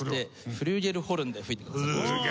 フリューゲルホルンで吹いてくださいました。